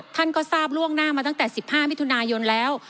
ท่านก็ทราบล่วงหน้ามาตั้งแต่๑๕มิถุนายนแล้ว